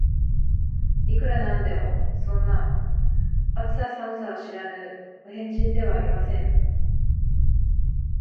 いくら何でも、そんな、暑さ寒さを知らぬお変人ではありません